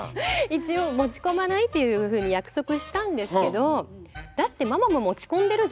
一応持ち込まないっていうふうに約束したんですけどあママ持ち込んでた？